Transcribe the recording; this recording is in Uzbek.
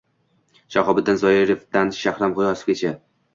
Shahobiddin Zoirovdan Shahram G‘iyosovgacha